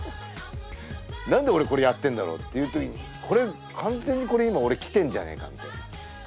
「何で俺これやってんだろう」っていう時に「これ完全にこれ今俺来てんじゃねえか」みたいな。